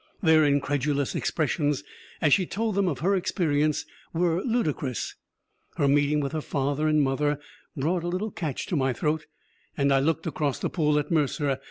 Their incredulous expressions as she told them of her experience were ludicrous. Her meeting with her father and mother brought a little catch to my throat, and I looked across the pool at Mercer.